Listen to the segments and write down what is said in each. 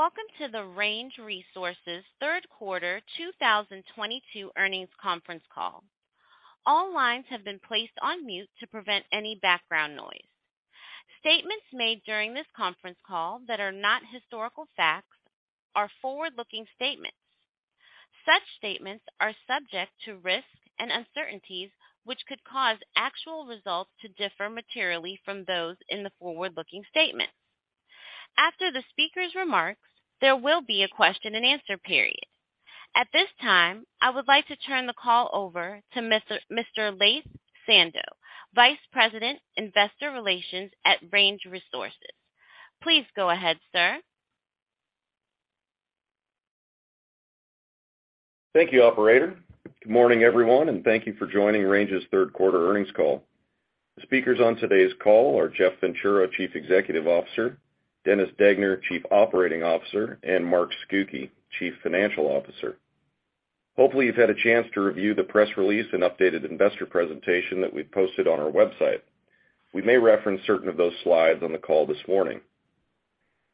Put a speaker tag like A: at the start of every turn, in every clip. A: Welcome to the Range Resources third quarter 2022 earnings conference call. All lines have been placed on mute to prevent any background noise. Statements made during this conference call that are not historical facts are forward-looking statements. Such statements are subject to risks and uncertainties, which could cause actual results to differ materially from those in the forward-looking statements. After the speaker's remarks, there will be a question-and-answer period. At this time, I would like to turn the call over to Mr. Laith Sando, Vice President, Investor Relations at Range Resources. Please go ahead, sir.
B: Thank you, operator. Good morning, everyone, and thank you for joining Range's third quarter earnings call. The speakers on today's call are Jeff Ventura, Chief Executive Officer, Dennis Degner, Chief Operating Officer, and Mark Scucchi, Chief Financial Officer. Hopefully, you've had a chance to review the press release and updated investor presentation that we've posted on our website. We may reference certain of those slides on the call this morning.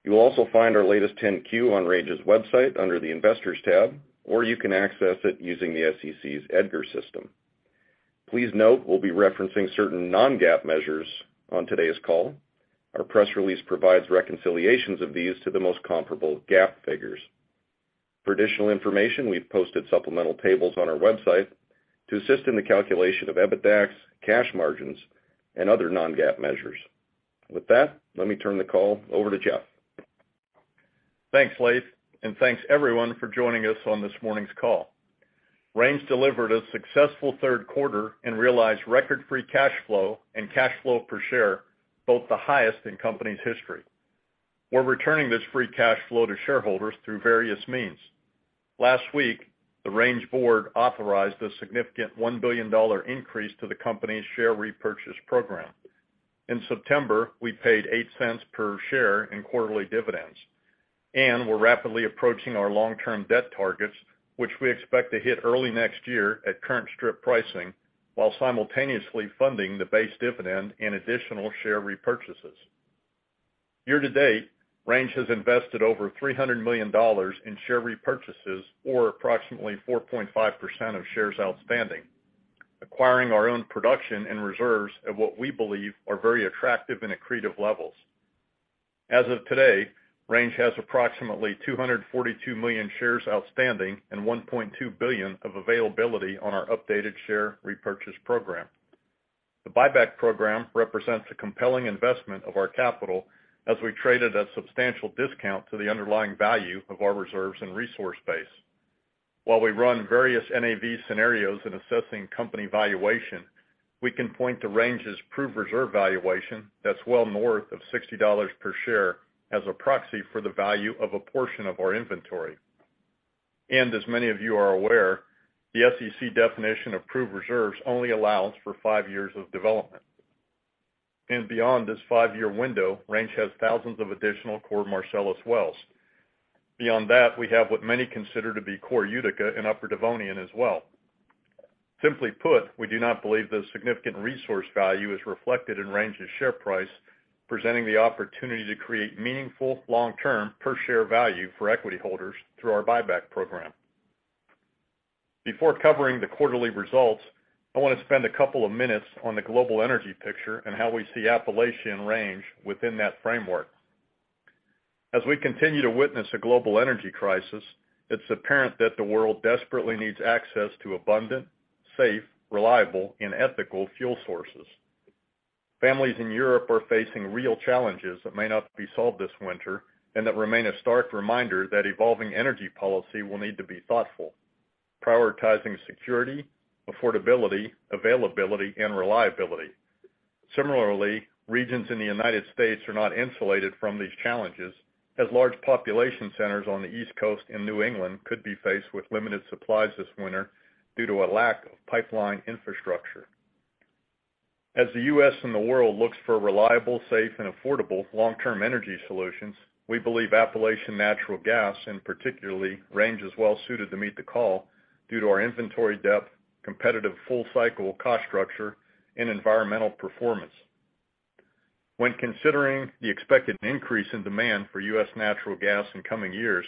B: You will also find our latest 10-Q on Range's website under the Investors tab, or you can access it using the SEC's EDGAR system. Please note we'll be referencing certain non-GAAP measures on today's call. Our press release provides reconciliations of these to the most comparable GAAP figures. For additional information, we've posted supplemental tables on our website to assist in the calculation of EBITDAX, cash margins, and other non-GAAP measures. With that, let me turn the call over to Jeff.
C: Thanks, Laith, and thanks everyone for joining us on this morning's call. Range delivered a successful third quarter and realized record free cash flow and cash flow per share, both the highest in the company's history. We're returning this free cash flow to shareholders through various means. Last week, the Range board authorized a significant $1 billion increase to the company's share repurchase program. In September, we paid $0.08 per share in quarterly dividends, and we're rapidly approaching our long-term debt targets, which we expect to hit early next year at current strip pricing, while simultaneously funding the base dividend and additional share repurchases. Year to date, Range has invested over $300 million in share repurchases or approximately 4.5% of shares outstanding, acquiring our own production and reserves at what we believe are very attractive and accretive levels. As of today, Range has approximately 242 million shares outstanding and $1.2 billion of availability on our updated share repurchase program. The buyback program represents a compelling investment of our capital as we traded a substantial discount to the underlying value of our reserves and resource base. While we run various NAV scenarios in assessing company valuation, we can point to Range's proved reserve valuation that's well north of $60 per share as a proxy for the value of a portion of our inventory. As many of you are aware, the SEC definition of proved reserves only allows for 5 years of development. Beyond this five-year window, Range has thousands of additional core Marcellus wells. Beyond that, we have what many consider to be core Utica and Upper Devonian as well. Simply put, we do not believe the significant resource value is reflected in Range's share price, presenting the opportunity to create meaningful long-term per share value for equity holders through our buyback program. Before covering the quarterly results, I want to spend a couple of minutes on the global energy picture and how we see Appalachian Range within that framework. As we continue to witness a global energy crisis, it's apparent that the world desperately needs access to abundant, safe, reliable, and ethical fuel sources. Families in Europe are facing real challenges that may not be solved this winter, and that remain a stark reminder that evolving energy policy will need to be thoughtful, prioritizing security, affordability, availability, and reliability. Similarly, regions in the United States are not insulated from these challenges, as large population centers on the East Coast and New England could be faced with limited supplies this winter due to a lack of pipeline infrastructure. As the U.S. and the world looks for reliable, safe, and affordable long-term energy solutions, we believe Appalachian natural gas, and particularly Range, is well suited to meet the call due to our inventory depth, competitive full cycle cost structure and environmental performance. When considering the expected increase in demand for U.S. natural gas in coming years,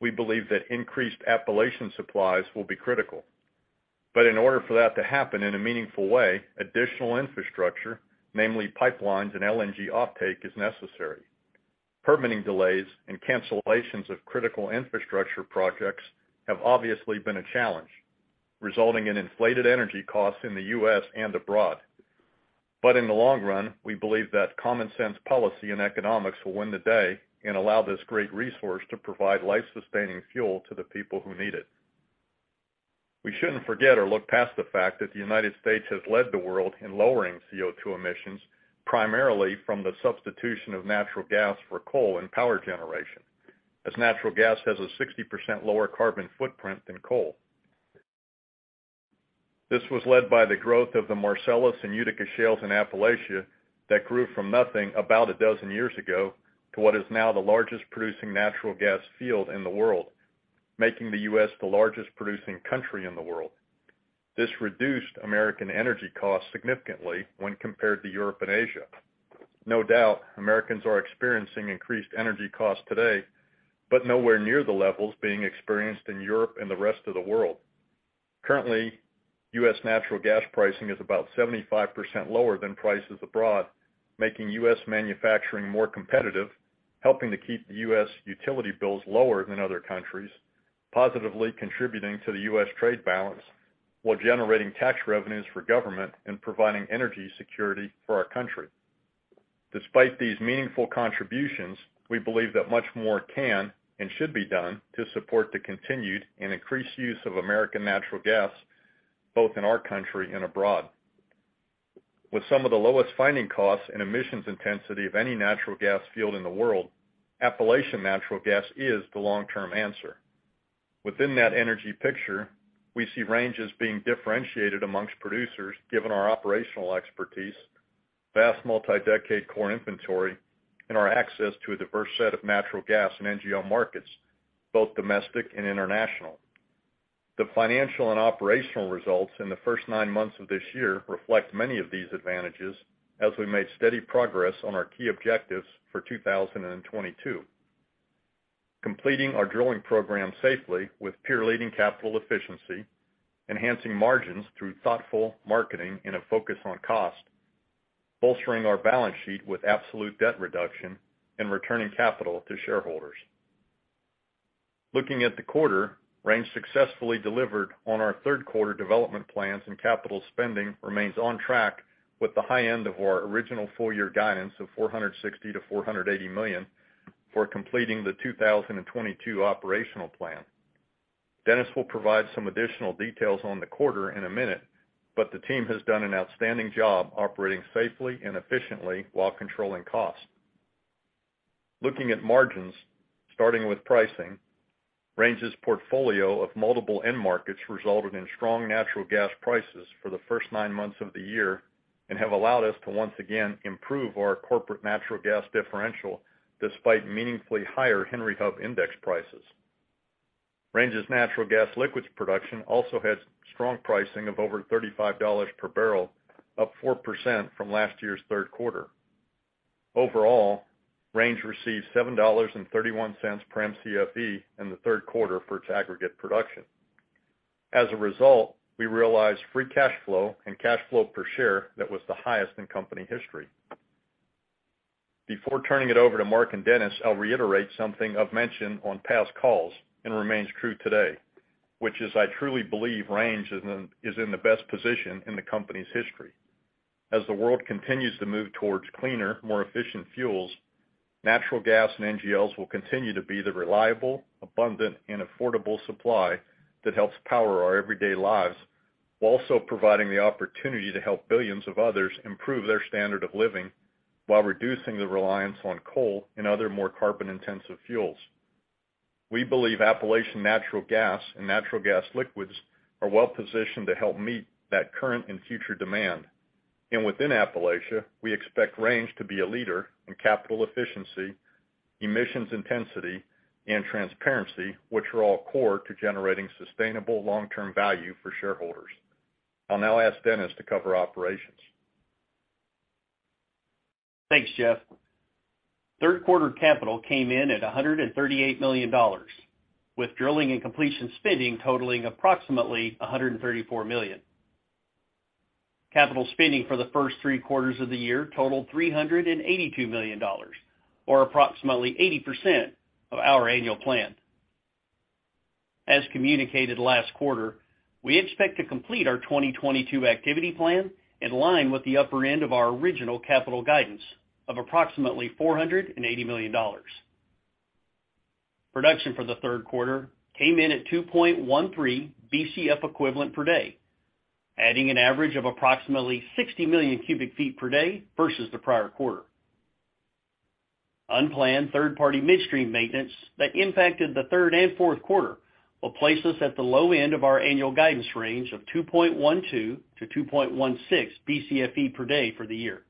C: we believe that increased Appalachian supplies will be critical. In order for that to happen in a meaningful way, additional infrastructure, namely pipelines and LNG offtake, is necessary. Permitting delays and cancellations of critical infrastructure projects have obviously been a challenge, resulting in inflated energy costs in the U.S. and abroad. In the long run, we believe that common sense policy and economics will win the day and allow this great resource to provide life-sustaining fuel to the people who need it. We shouldn't forget or look past the fact that the United States has led the world in lowering CO2 emissions, primarily from the substitution of natural gas for coal and power generation, as natural gas has a 60% lower carbon footprint than coal. This was led by the growth of the Marcellus and Utica shales in Appalachia that grew from nothing about 12 years ago to what is now the largest producing natural gas field in the world, making the U.S. the largest producing country in the world. This reduced American energy costs significantly when compared to Europe and Asia. No doubt, Americans are experiencing increased energy costs today, but nowhere near the levels being experienced in Europe and the rest of the world. Currently, U.S. natural gas pricing is about 75% lower than prices abroad, making U.S. manufacturing more competitive, helping to keep the U.S. utility bills lower than other countries, positively contributing to the U.S. trade balance, while generating tax revenues for government and providing energy security for our country. Despite these meaningful contributions, we believe that much more can and should be done to support the continued and increased use of American natural gas, both in our country and abroad. With some of the lowest finding costs and emissions intensity of any natural gas field in the world, Appalachian natural gas is the long-term answer. Within that energy picture, we see Range as being differentiated among producers, given our operational expertise, vast multi-decade core inventory, and our access to a diverse set of natural gas and NGL markets, both domestic and international. The financial and operational results in the first nine months of this year reflect many of these advantages as we made steady progress on our key objectives for 2022. Completing our drilling program safely with peer-leading capital efficiency, enhancing margins through thoughtful marketing and a focus on cost, bolstering our balance sheet with absolute debt reduction, and returning capital to shareholders. Looking at the quarter, Range successfully delivered on our third quarter development plans, and capital spending remains on track with the high end of our original full year guidance of $460 million-$480 million for completing the 2022 operational plan. Dennis will provide some additional details on the quarter in a minute, but the team has done an outstanding job operating safely and efficiently while controlling costs. Looking at margins, starting with pricing, Range's portfolio of multiple end markets resulted in strong natural gas prices for the first nine months of the year and have allowed us to once again improve our corporate natural gas differential despite meaningfully higher Henry Hub index prices. Range's natural gas liquids production also has strong pricing of over $35 per barrel, up 4% from last year's third quarter. Overall, Range received $7.31 per Mcfe in the third quarter for its aggregate production. As a result, we realized free cash flow and cash flow per share that was the highest in company history. Before turning it over to Mark and Dennis, I'll reiterate something I've mentioned on past calls and remains true today, which is I truly believe Range is in the best position in the company's history. As the world continues to move towards cleaner, more efficient fuels, natural gas and NGLs will continue to be the reliable, abundant, and affordable supply that helps power our everyday lives while also providing the opportunity to help billions of others improve their standard of living while reducing the reliance on coal and other more carbon-intensive fuels. We believe Appalachian natural gas and natural gas liquids are well-positioned to help meet that current and future demand. Within Appalachia, we expect Range to be a leader in capital efficiency, emissions intensity, and transparency, which are all core to generating sustainable long-term value for shareholders. I'll now ask Dennis to cover operations.
D: Thanks, Jeff. Third quarter capital came in at $138 million, with drilling and completion spending totaling approximately $134 million. Capital spending for the first three quarters of the year totaled $382 million or approximately 80% of our annual plan. As communicated last quarter, we expect to complete our 2022 activity plan in line with the upper end of our original capital guidance of approximately $480 million. Production for the third quarter came in at 2.13 Bcf equivalent per day, adding an average of approximately 60 million cubic feet per day versus the prior quarter. Unplanned third-party midstream maintenance that impacted the third and fourth quarter will place us at the low end of our annual guidance range of 2.12-2.16 Bcfe per day for the year.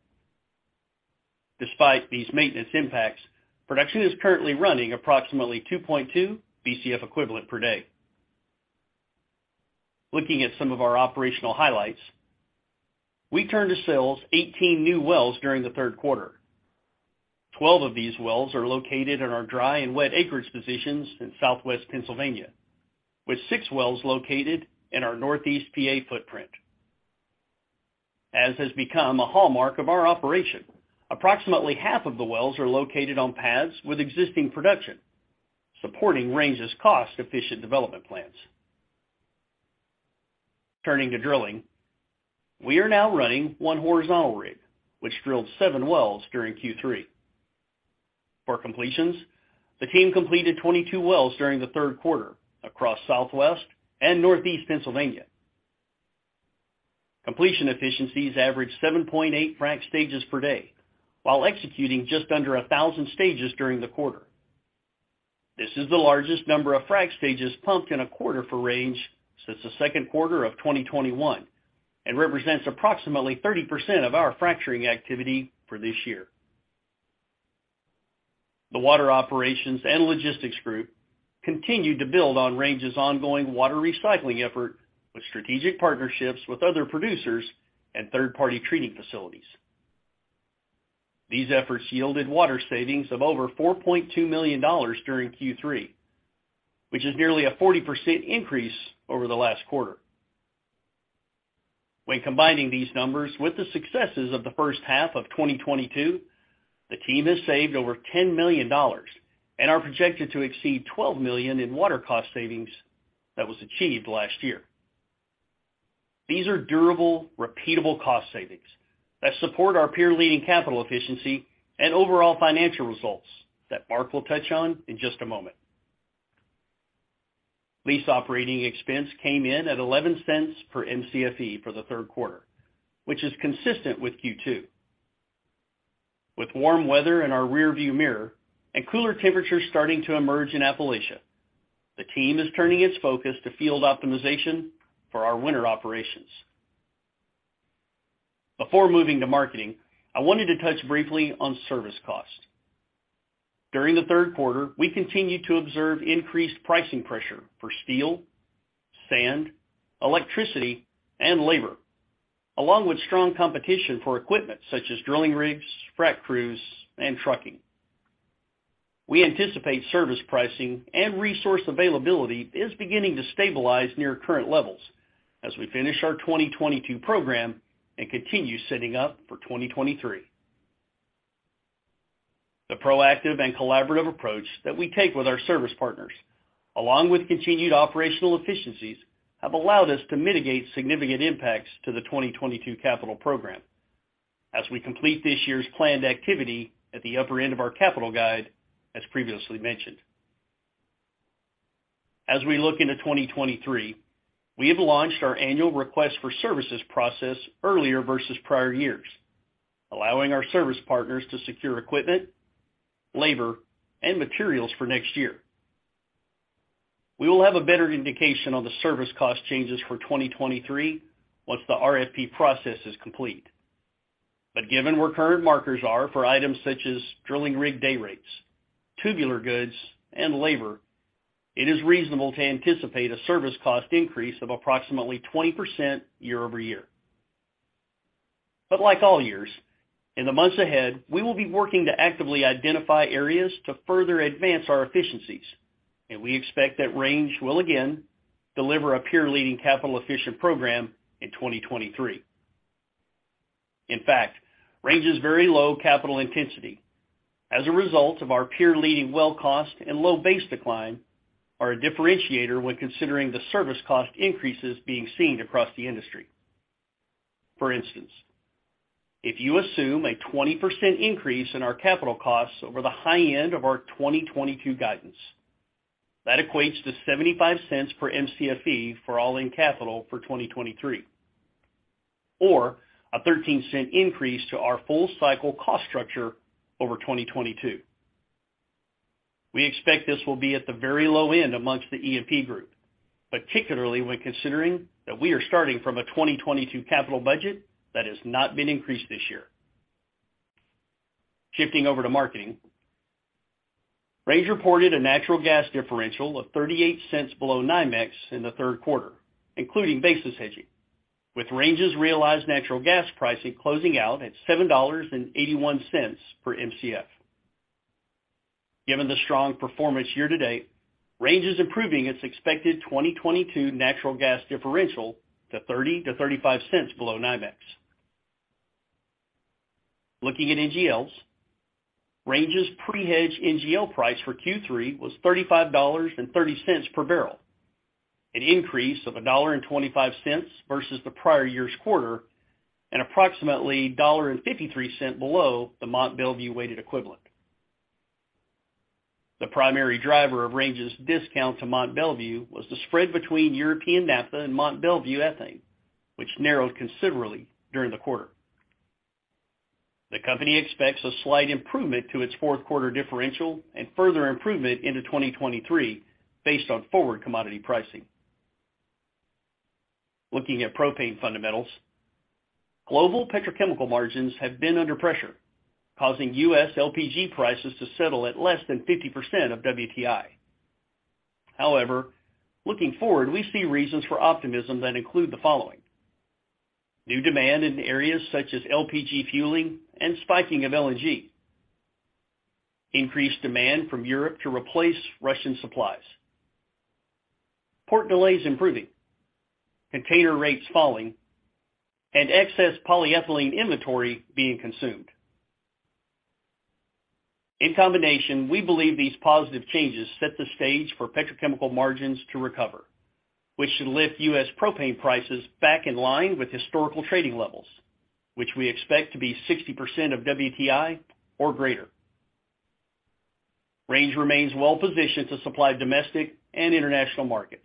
D: Despite these maintenance impacts, production is currently running approximately 2.2 Bcfe per day. Looking at some of our operational highlights, we turned to sales 18 new wells during the third quarter. Twelve of these wells are located in our dry and wet acreage positions in Southwest Pennsylvania, with six wells located in our Northeast PA footprint. As has become a hallmark of our operation, approximately half of the wells are located on pads with existing production, supporting Range's cost-efficient development plans. Turning to drilling, we are now running one horizontal rig, which drilled seven wells during Q3. For completions, the team completed 22 wells during the third quarter across Southwest and Northeast Pennsylvania. Completion efficiencies averaged 7.8 frac stages per day while executing just under 1,000 stages during the quarter. This is the largest number of frac stages pumped in a quarter for Range since the second quarter of 2021 and represents approximately 30% of our fracturing activity for this year. The water operations and logistics group continued to build on Range's ongoing water recycling effort with strategic partnerships with other producers and third-party treating facilities. These efforts yielded water savings of over $4.2 million during Q3, which is nearly a 40% increase over the last quarter. When combining these numbers with the successes of the first half of 2022, the team has saved over $10 million and are projected to exceed $12 million in water cost savings that was achieved last year. These are durable, repeatable cost savings that support our peer-leading capital efficiency and overall financial results that Mark will touch on in just a moment. Lease operating expense came in at 11 cents per Mcfe for the third quarter, which is consistent with Q2. With warm weather in our rearview mirror and cooler temperatures starting to emerge in Appalachia, the team is turning its focus to field optimization for our winter operations. Before moving to marketing, I wanted to touch briefly on service cost. During the third quarter, we continued to observe increased pricing pressure for steel, sand, electricity, and labor, along with strong competition for equipment such as drilling rigs, frac crews, and trucking. We anticipate service pricing and resource availability is beginning to stabilize near current levels as we finish our 2022 program and continue setting up for 2023. The proactive and collaborative approach that we take with our service partners, along with continued operational efficiencies, have allowed us to mitigate significant impacts to the 2022 capital program as we complete this year's planned activity at the upper end of our capital guide, as previously mentioned. As we look into 2023, we have launched our annual request for services process earlier versus prior years, allowing our service partners to secure equipment, labor, and materials for next year. We will have a better indication on the service cost changes for 2023 once the RFP process is complete. Given where current markets are for items such as drilling rig day rates, tubular goods, and labor, it is reasonable to anticipate a service cost increase of approximately 20% year-over-year. Like all years, in the months ahead, we will be working to actively identify areas to further advance our efficiencies, and we expect that Range will again deliver a peer-leading capital efficient program in 2023. In fact, Range's very low capital intensity as a result of our peer-leading well cost and low base decline are a differentiator when considering the service cost increases being seen across the industry. For instance, if you assume a 20% increase in our capital costs over the high end of our 2022 guidance, that equates to $0.75 per Mcfe for all-in capital for 2023, or a 13-cent increase to our full cycle cost structure over 2022. We expect this will be at the very low end amongst the E&P group, particularly when considering that we are starting from a 2022 capital budget that has not been increased this year. Shifting over to marketing. Range reported a natural gas differential of $0.38 below NYMEX in the third quarter, including basis hedging, with Range's realized natural gas pricing closing out at $7.81 per Mcf. Given the strong performance year to date, Range is improving its expected 2022 natural gas differential to $0.30-$0.35 below NYMEX. Looking at NGLs. Range's pre-hedge NGL price for Q3 was $35.30 per barrel, an increase of $1.25 versus the prior year's quarter, and approximately $1.53 below the Mont Belvieu weighted equivalent. The primary driver of Range's discount to Mont Belvieu was the spread between European naphtha and Mont Belvieu ethane, which narrowed considerably during the quarter. The company expects a slight improvement to its fourth quarter differential and further improvement into 2023 based on forward commodity pricing. Looking at propane fundamentals. Global petrochemical margins have been under pressure, causing U.S. LPG prices to settle at less than 50% of WTI. However, looking forward, we see reasons for optimism that include the following. New demand in areas such as LPG fueling and spiking of LNG. Increased demand from Europe to replace Russian supplies. Port delays improving. Container rates falling. Excess polyethylene inventory being consumed. In combination, we believe these positive changes set the stage for petrochemical margins to recover, which should lift U.S. propane prices back in line with historical trading levels, which we expect to be 60% of WTI or greater. Range remains well positioned to supply domestic and international markets.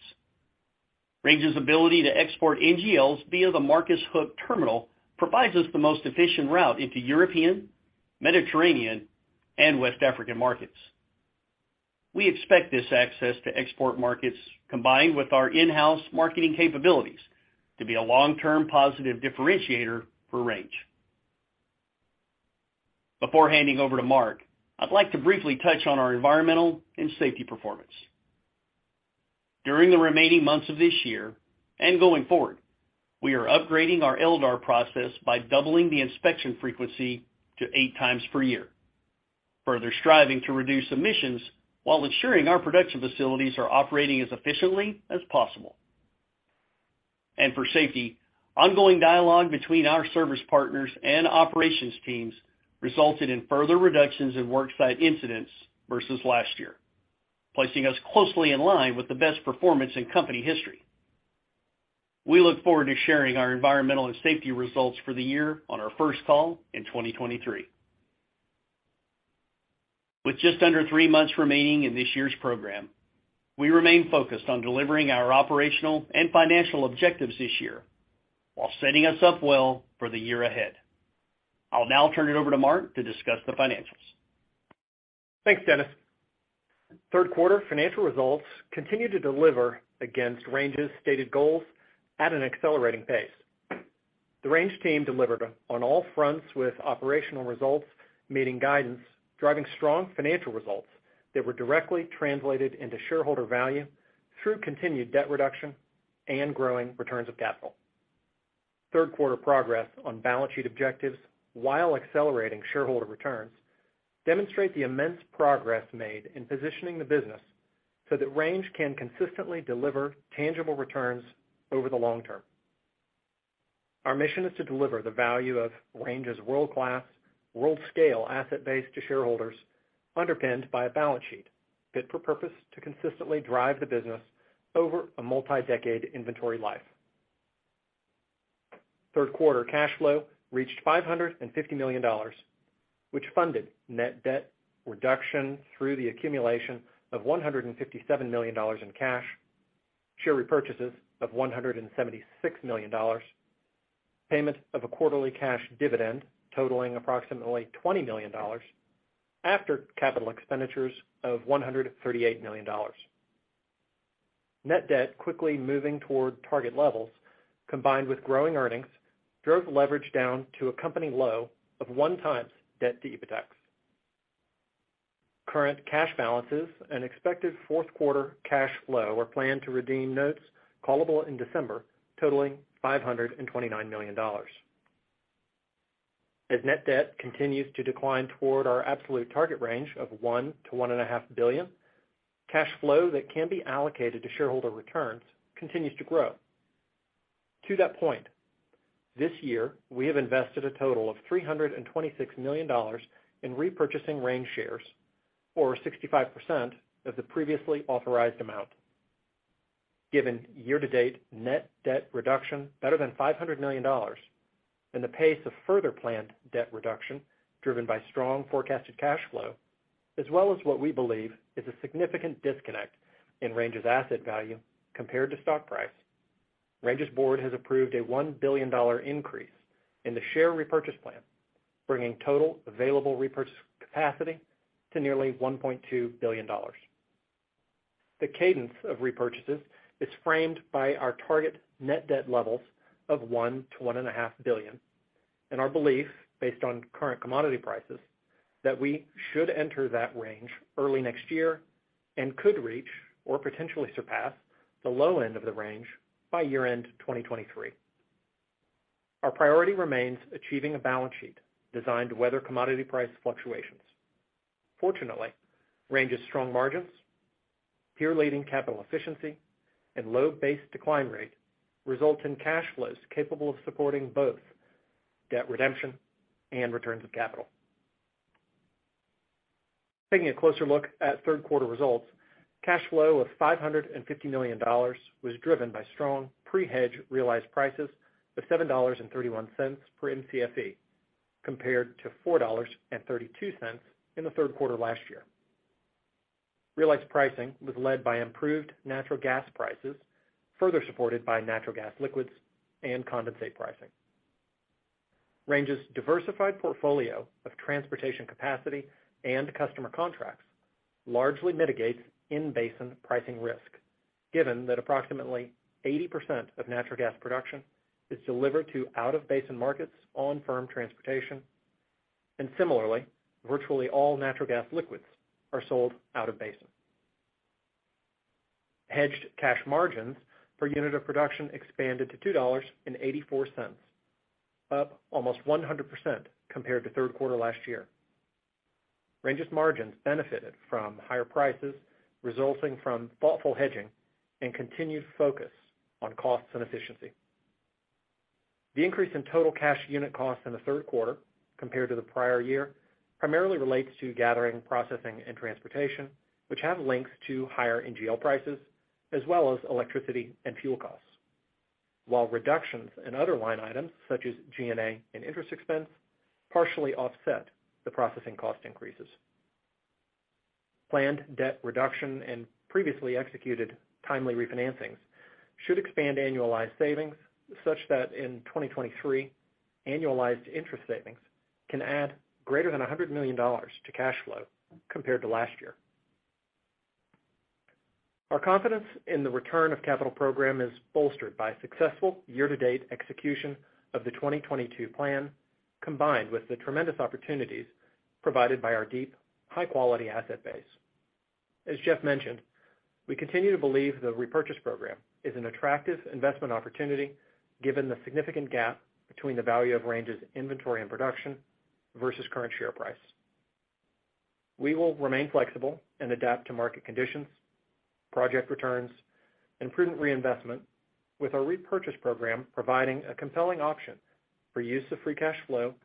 D: Range's ability to export NGLs via the Marcus Hook terminal provides us the most efficient route into European, Mediterranean, and West African markets. We expect this access to export markets, combined with our in-house marketing capabilities, to be a long-term positive differentiator for Range. Before handing over to Mark, I'd like to briefly touch on our environmental and safety performance. During the remaining months of this year and going forward, we are upgrading our LDAR process by doubling the inspection frequency to eight times per year, further striving to reduce emissions while ensuring our production facilities are operating as efficiently as possible. For safety, ongoing dialogue between our service partners and operations teams resulted in further reductions in worksite incidents versus last year, placing us closely in line with the best performance in company history. We look forward to sharing our environmental and safety results for the year on our first call in 2023. With just under three months remaining in this year's program, we remain focused on delivering our operational and financial objectives this year while setting us up well for the year ahead. I'll now turn it over to Mark to discuss the financials.
E: Thanks, Dennis. Third quarter financial results continue to deliver against Range's stated goals at an accelerating pace. The Range team delivered on all fronts with operational results, meeting guidance, driving strong financial results that were directly translated into shareholder value through continued debt reduction and growing returns of capital. Third quarter progress on balance sheet objectives while accelerating shareholder returns demonstrate the immense progress made in positioning the business so that Range can consistently deliver tangible returns over the long term. Our mission is to deliver the value of Range's world-class, world-scale asset base to shareholders, underpinned by a balance sheet fit for purpose to consistently drive the business over a multi-decade inventory life. Third quarter cash flow reached $550 million, which funded net debt reduction through the accumulation of $157 million in cash, share repurchases of $176 million, payment of a quarterly cash dividend totaling approximately $20 million after capital expenditures of $138 million. Net debt quickly moving toward target levels combined with growing earnings drove leverage down to a company low of 1x debt to EBITDAX. Current cash balances and expected fourth quarter cash flow are planned to redeem notes callable in December, totaling $529 million. Net debt continues to decline toward our absolute target range of $1 billion-$1.5 billion. Cash flow that can be allocated to shareholder returns continues to grow. To that point, this year, we have invested a total of $326 million in repurchasing Range shares, or 65% of the previously authorized amount. Given year-to-date net debt reduction better than $500 million and the pace of further planned debt reduction driven by strong forecasted cash flow, as well as what we believe is a significant disconnect in Range's asset value compared to stock price, Range's board has approved a $1 billion increase in the share repurchase plan, bringing total available repurchase capacity to nearly $1.2 billion. The cadence of repurchases is framed by our target net debt levels of $1 billion-$1.5 billion, and our belief, based on current commodity prices, that we should enter that range early next year and could reach or potentially surpass the low end of the range by year-end 2023. Our priority remains achieving a balance sheet designed to weather commodity price fluctuations. Fortunately, Range's strong margins, peer-leading capital efficiency, and low base decline rate result in cash flows capable of supporting both debt redemption and returns of capital. Taking a closer look at third quarter results, cash flow of $550 million was driven by strong pre-hedge realized prices of $7.31 per Mcfe compared to $4.32 in the third quarter last year. Realized pricing was led by improved natural gas prices, further supported by natural gas liquids and condensate pricing. Range's diversified portfolio of transportation capacity and customer contracts largely mitigates in-basin pricing risk, given that approximately 80% of natural gas production is delivered to out-of-basin markets on firm transportation. Similarly, virtually all natural gas liquids are sold out of basin. Hedged cash margins per unit of production expanded to $2.84, up almost 100% compared to third quarter last year. Range's margins benefited from higher prices resulting from thoughtful hedging and continued focus on costs and efficiency. The increase in total cash unit costs in the third quarter compared to the prior year primarily relates to gathering, processing, and transportation, which have links to higher NGL prices as well as electricity and fuel costs. While reductions in other line items such as G&A and interest expense partially offset the processing cost increases. Planned debt reduction and previously executed timely refinancings should expand annualized savings such that in 2023 annualized interest savings can add greater than $100 million to cash flow compared to last year. Our confidence in the return of capital program is bolstered by successful year-to-date execution of the 2022 plan, combined with the tremendous opportunities provided by our deep, high-quality asset base. As Jeff mentioned, we continue to believe the repurchase program is an attractive investment opportunity given the significant gap between the value of Range's inventory and production versus current share price. We will remain flexible and adapt to market conditions, project returns, and prudent reinvestment, with our repurchase program providing a compelling option for use of free cash flow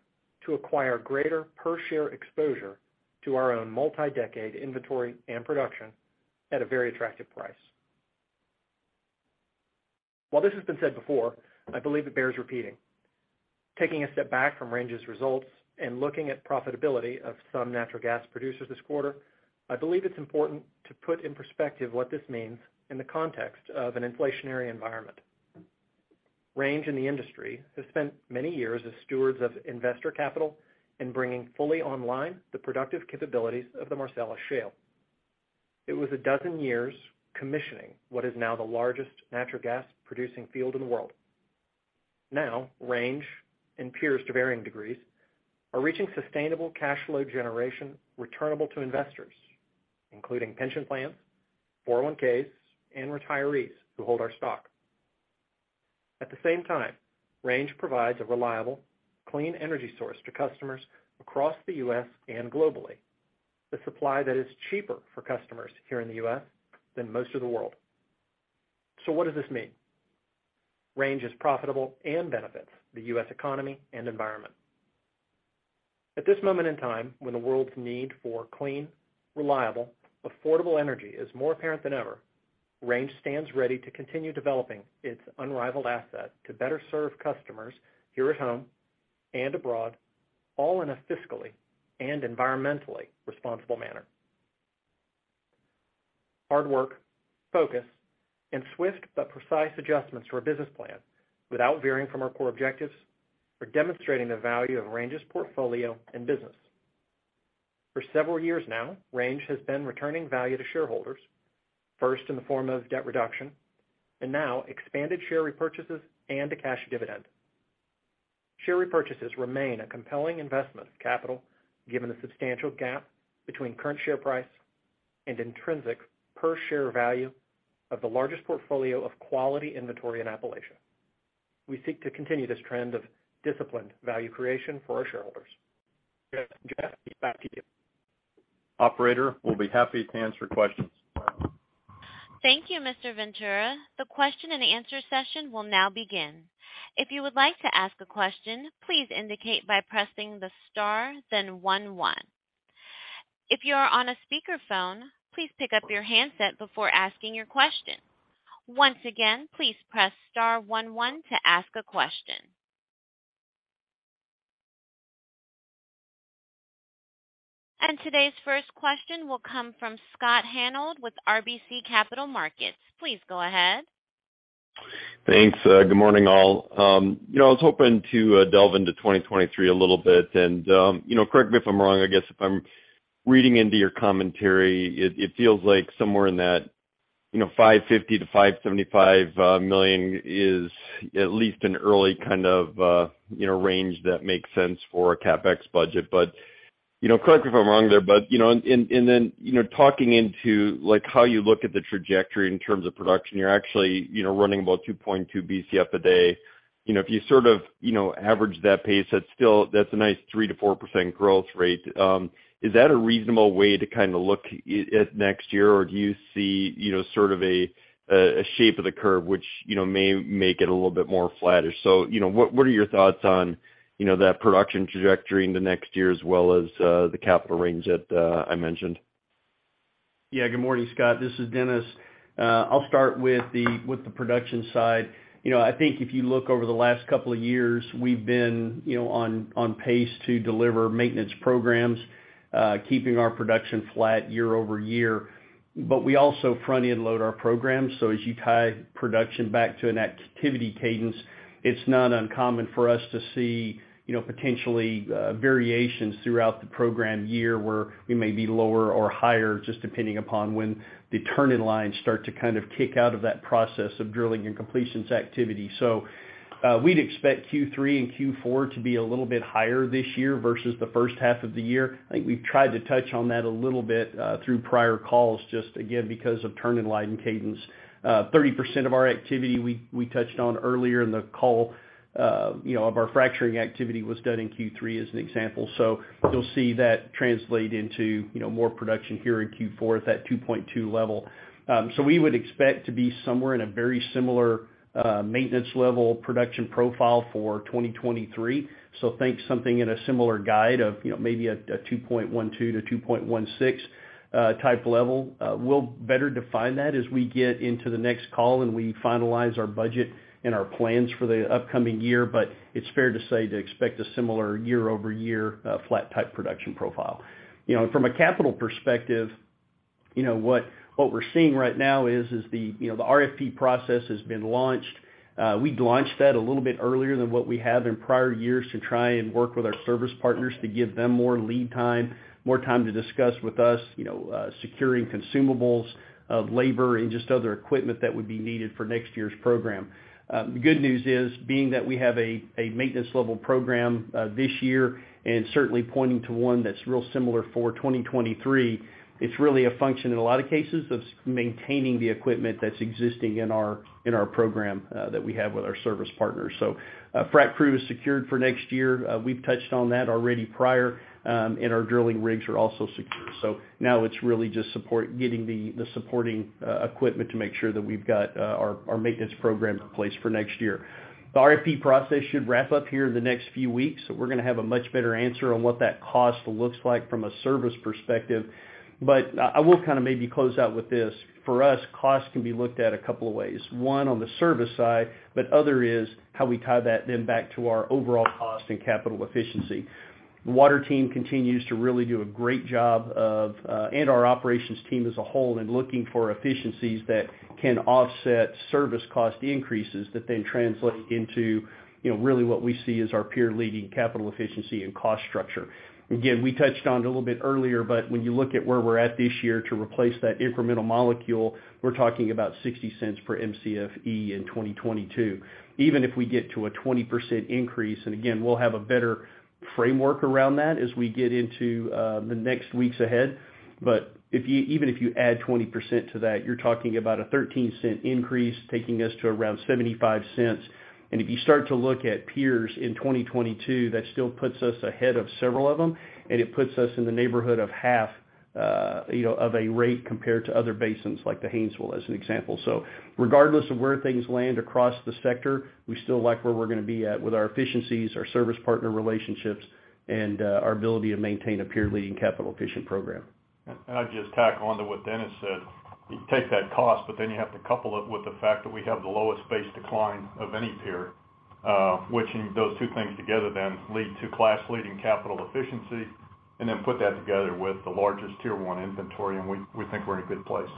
E: to acquire greater per share exposure to our own multi-decade inventory and production at a very attractive price. While this has been said before, I believe it bears repeating. Taking a step back from Range's results and looking at profitability of some natural gas producers this quarter, I believe it's important to put in perspective what this means in the context of an inflationary environment. Range in the industry has spent many years as stewards of investor capital in bringing fully online the productive capabilities of the Marcellus Shale. It was a dozen years commissioning what is now the largest natural gas producing field in the world. Now, Range and peers to varying degrees are reaching sustainable cash flow generation returnable to investors, including pension plans, 401(k)s, and retirees who hold our stock. At the same time, Range provides a reliable, clean energy source to customers across the U.S. and globally. The supply that is cheaper for customers here in the U.S. than most of the world. What does this mean? Range is profitable and benefits the U.S. economy and environment. At this moment in time, when the world's need for clean, reliable, affordable energy is more apparent than ever, Range stands ready to continue developing its unrivaled asset to better serve customers here at home and abroad, all in a fiscally and environmentally responsible manner. Hard work, focus, and swift but precise adjustments to our business plan without veering from our core objectives are demonstrating the value of Range's portfolio and business. For several years now, Range has been returning value to shareholders, first in the form of debt reduction, and now expanded share repurchases and a cash dividend. Share repurchases remain a compelling investment of capital given the substantial gap between current share price and intrinsic per share value of the largest portfolio of quality inventory in Appalachia. We seek to continue this trend of disciplined value creation for our shareholders. Jeff, back to you.
C: Operator, we'll be happy to answer questions.
A: Thank you, Mr. Ventura. The question and answer session will now begin. If you would like to ask a question, please indicate by pressing the star, then one one. If you are on a speakerphone, please pick up your handset before asking your question. Once again, please press star one one to ask a question. Today's first question will come from Scott Hanold with RBC Capital Markets. Please go ahead.
F: Thanks. Good morning, all. You know, I was hoping to delve into 2023 a little bit and, you know, correct me if I'm wrong, I guess if I'm reading into your commentary, it feels like somewhere in that, you know, $550 million-$575 million is at least an early kind of, you know, range that makes sense for a CapEx budget. You know, correct me if I'm wrong there, but you know, then, you know, talking about, like, how you look at the trajectory in terms of production, you're actually, you know, running about 2.2 Bcf a day. You know, if you sort of, you know, average that pace, that's still a nice 3%-4% growth rate. Is that a reasonable way to kinda look at next year? Do you see, you know, sort of a shape of the curve which, you know, may make it a little bit more flattish? What are your thoughts on, you know, that production trajectory in the next year as well as the capital range that I mentioned?
D: Yeah. Good morning, Scott. This is Dennis. I'll start with the production side. You know, I think if you look over the last couple of years, we've been, you know, on pace to deliver maintenance programs, keeping our production flat year-over-year. But we also front-end load our programs, so as you tie production back to an activity cadence, it's not uncommon for us to see, you know, potentially variations throughout the program year where we may be lower or higher just depending upon when the turn-in lines start to kind of kick out of that process of drilling and completions activity. So, we'd expect Q3 and Q4 to be a little bit higher this year versus the first half of the year. I think we've tried to touch on that a little bit through prior calls just again, because of turn-in line cadence. Thirty percent of our activity, we touched on earlier in the call, you know, of our fracturing activity was done in Q3 as an example. You'll see that translate into, you know, more production here in Q4 at that 2.2 level. We would expect to be somewhere in a very similar maintenance level production profile for 2023. Think something in a similar guide of, you know, maybe a 2.12-2.16 type level. We'll better define that as we get into the next call, and we finalize our budget and our plans for the upcoming year. It's fair to say to expect a similar year-over-year, flat type production profile. You know, and from a capital perspective. You know what we're seeing right now is the RFP process has been launched. We launched that a little bit earlier than what we have in prior years to try and work with our service partners to give them more lead time, more time to discuss with us, you know, securing consumables of labor and just other equipment that would be needed for next year's program. The good news is being that we have a maintenance level program this year, and certainly pointing to one that's real similar for 2023, it's really a function in a lot of cases of maintaining the equipment that's existing in our program that we have with our service partners. Frac crew is secured for next year. We've touched on that already prior, and our drilling rigs are also secure. Now it's really just support getting the supporting equipment to make sure that we've got our maintenance program in place for next year. The RFP process should wrap up here in the next few weeks. We're gonna have a much better answer on what that cost looks like from a service perspective. I will kind of maybe close out with this. For us, cost can be looked at a couple of ways, one, on the service side, but other is how we tie that then back to our overall cost and capital efficiency. The water team continues to really do a great job of and our operations team as a whole in looking for efficiencies that can offset service cost increases that then translate into, you know, really what we see as our peer-leading capital efficiency and cost structure. Again, we touched on it a little bit earlier, but when you look at where we're at this year to replace that incremental molecule, we're talking about $0.60 per Mcfe in 2022. Even if we get to a 20% increase, and again, we'll have a better framework around that as we get into the next weeks ahead. But even if you add 20% to that, you're talking about a 13 cent increase, taking us to around $0.75. If you start to look at peers in 2022, that still puts us ahead of several of them, and it puts us in the neighborhood of half, you know, of a rate compared to other basins, like the Haynesville, as an example. Regardless of where things land across the sector, we still like where we're gonna be at with our efficiencies, our service partner relationships, and our ability to maintain a peer-leading capital efficient program.
E: I'd just tack on to what Dennis said. You take that cost, but then you have to couple it with the fact that we have the lowest base decline of any peer, which in those two things together then lead to class-leading capital efficiency, and then put that together with the largest tier one inventory, and we think we're in a good place.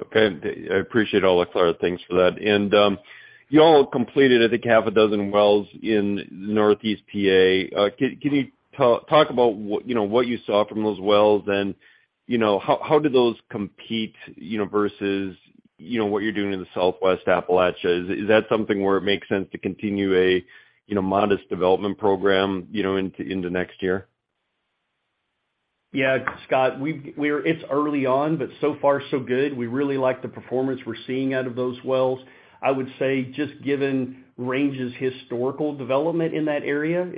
F: Okay. I appreciate all the clear things for that. You all completed, I think, six wells in Northeast PA. Can you talk about what you saw from those wells and how do those compete versus what you're doing in the Southwest Appalachia? Is that something where it makes sense to continue a modest development program into next year?
D: Yeah. Scott, it's early on, but so far so good. We really like the performance we're seeing out of those wells. I would say just given Range's historical development in that area,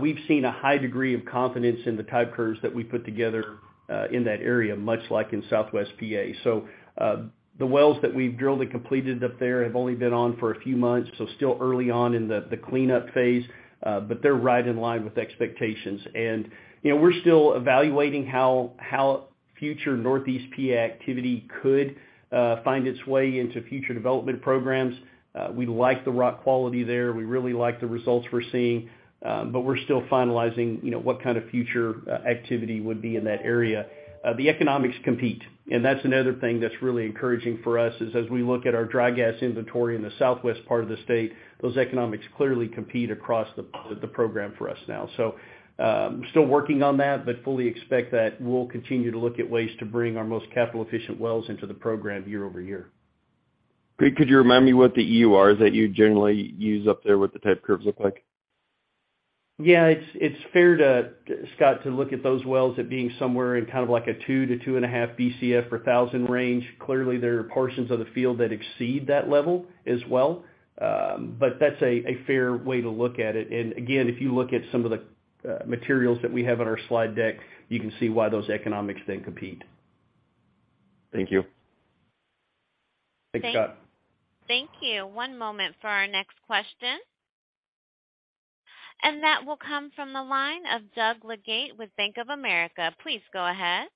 D: we've seen a high degree of confidence in the type curves that we put together in that area, much like in Southwest PA. The wells that we've drilled and completed up there have only been on for a few months, so still early on in the cleanup phase, but they're right in line with expectations. We're still evaluating how future Northeast PA activity could find its way into future development programs. We like the rock quality there. We really like the results we're seeing, but we're still finalizing, you know, what kind of future activity would be in that area. The economics compete, and that's another thing that's really encouraging for us is as we look at our dry gas inventory in the southwest part of the state, those economics clearly compete across the program for us now. Still working on that, but fully expect that we'll continue to look at ways to bring our most capital efficient wells into the program year over year.
F: Great. Could you remind me what the EURs that you generally use up there, what the type curves look like?
D: Yeah. It's fair to, Scott, to look at those wells at being somewhere in kind of like a 2-2.5 Bcf per thousand range. Clearly, there are portions of the field that exceed that level as well. But that's a fair way to look at it. Again, if you look at some of the materials that we have on our slide deck, you can see why those economics then compete.
F: Thank you.
D: Thanks, Scott.
A: Thank you. One moment for our next question. That will come from the line of Doug Leggate with Bank of America. Please go ahead.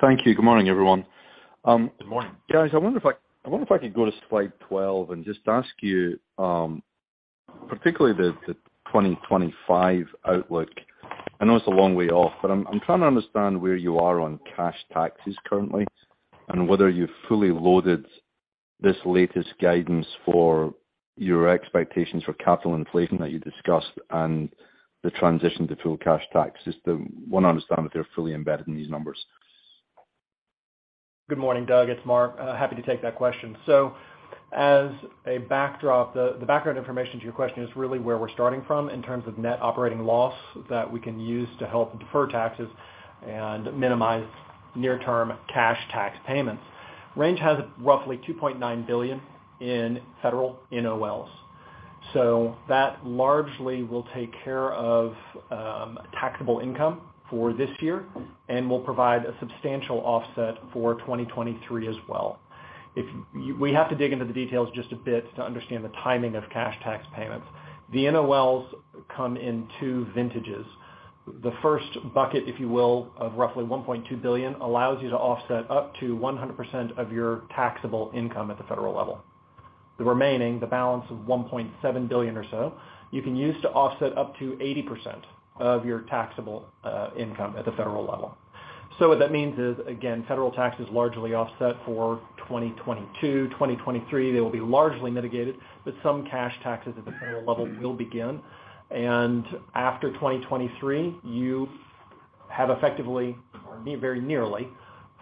G: Thank you. Good morning, everyone.
E: Good morning.
G: Guys, I wonder if I could go to slide 12 and just ask you, particularly the 2025 outlook. I know it's a long way off, but I'm trying to understand where you are on cash taxes currently, and whether you've fully loaded this latest guidance for your expectations for capital inflation that you discussed and the transition to full cash tax system. Wanna understand if they're fully embedded in these numbers.
E: Good morning, Doug. It's Mark. Happy to take that question. As a backdrop, the background information to your question is really where we're starting from in terms of net operating loss that we can use to help defer taxes and minimize near term cash tax payments. Range has roughly $2.9 billion in federal NOLs. That largely will take care of taxable income for this year and will provide a substantial offset for 2023 as well. We have to dig into the details just a bit to understand the timing of cash tax payments. The NOLs come in two vintages. The first bucket, if you will, of roughly $1.2 billion, allows you to offset up to 100% of your taxable income at the federal level. The remaining, the balance of $1.7 billion or so, you can use to offset up to 80% of your taxable income at the federal level. What that means is, again, federal tax is largely offset for 2022. 2023, they will be largely mitigated, but some cash taxes at the federal level will begin. After 2023, you have effectively, or very nearly,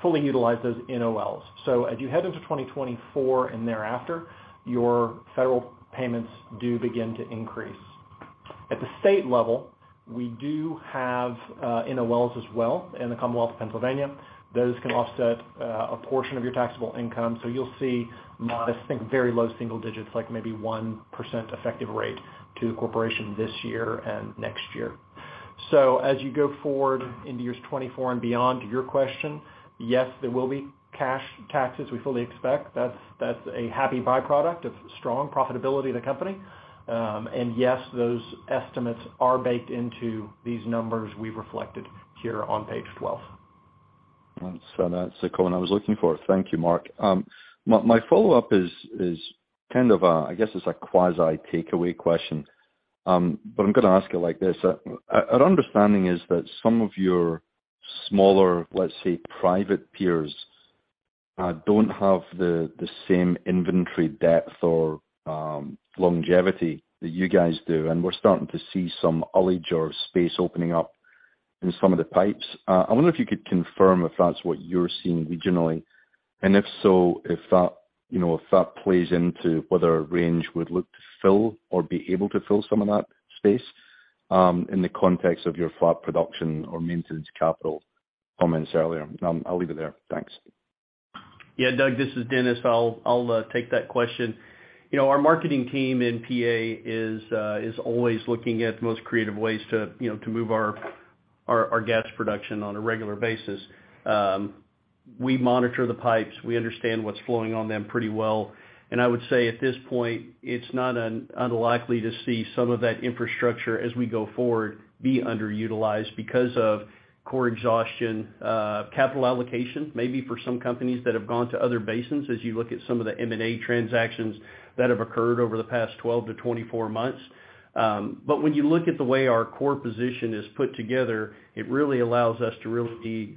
E: fully utilized those NOLs. As you head into 2024 and thereafter, your federal payments do begin to increase. At the state level, we do have NOLs as well in the Commonwealth of Pennsylvania. Those can offset a portion of your taxable income. You'll see modest, I think, very low single digits, like maybe 1% effective rate to the corporation this year and next year. As you go forward into years 2024 and beyond, to your question, yes, there will be cash taxes. We fully expect. That's a happy byproduct of strong profitability of the company. And yes, those estimates are baked into these numbers we reflected here on page 12.
G: That's the comment I was looking for. Thank you, Mark. My follow-up is kind of a—I guess it's a quasi takeaway question, but I'm gonna ask it like this. Our understanding is that some of your smaller, let's say, private peers, don't have the same inventory depth or longevity that you guys do. We're starting to see some ullage or space opening up in some of the pipes. I wonder if you could confirm if that's what you're seeing regionally, and if so, if that you know if that plays into whether Range would look to fill or be able to fill some of that space, in the context of your flat production or maintenance capital comments earlier. I'll leave it there. Thanks.
D: Yeah, Doug, this is Dennis. I'll take that question. You know, our marketing team in PA is always looking at the most creative ways to, you know, to move our gas production on a regular basis. We monitor the pipes, we understand what's flowing on them pretty well. I would say at this point, it's not unlikely to see some of that infrastructure as we go forward, be underutilized because of core exhaustion, capital allocation, maybe for some companies that have gone to other basins, as you look at some of the M&A transactions that have occurred over the past 12-24 months. When you look at the way our core position is put together, it really allows us to really be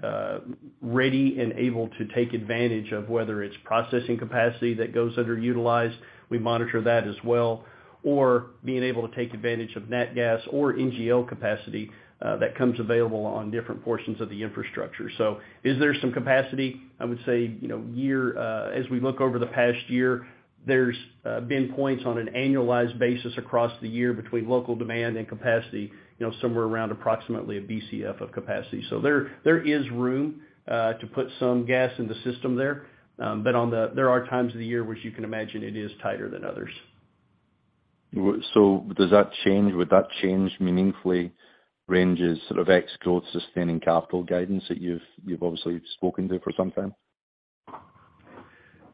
D: ready and able to take advantage of whether it's processing capacity that goes underutilized, we monitor that as well, or being able to take advantage of nat gas or NGL capacity that comes available on different portions of the infrastructure. Is there some capacity? I would say, you know, as we look over the past year, there's been points on an annualized basis across the year between local demand and capacity, you know, somewhere around approximately a Bcf of capacity. There is room to put some gas in the system there. There are times of the year which you can imagine it is tighter than others.
G: Would that change meaningfully Range's sort of ex-growth sustaining capital guidance that you've obviously spoken to for some time?